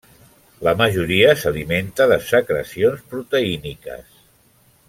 La majoria s'alimenta de secrecions proteíniques.